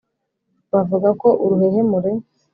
bavuga ko uruhehemure